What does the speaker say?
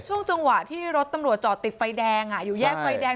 ช่วงจังหวะที่รถตำรวจจอดติดไฟแดงอยู่แยกไฟแดง